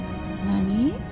何？